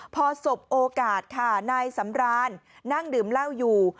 พอสบโอกาสค่ะนายสำรานนั่งดื่มเหล้าอยู่